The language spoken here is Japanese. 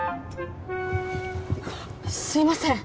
すいません！